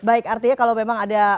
baik artinya kalau memang ada